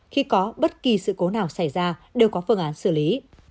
khi có bất kỳ sự cố nào xảy ra đều có phương án xử lý